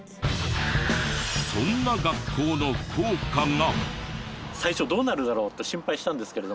そんな学校の校歌が。